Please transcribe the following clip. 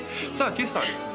今朝はですね